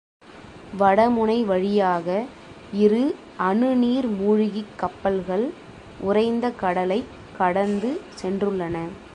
வடமுனை வழியாக இரு அணு நீர் மூழ்கிக் கப்பல்கள் உறைந்த கடலைக் கடந்து சென்றுள்ளன.